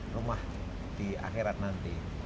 rumah di akhirat nanti